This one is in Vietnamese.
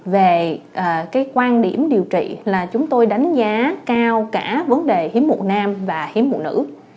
về cái quan điểm điều trị là chúng tôi đánh giá cao cả vấn đề hiếm mụ nam và hiếm mụ nữ